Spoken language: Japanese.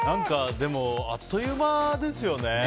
でも、あっという間ですよね。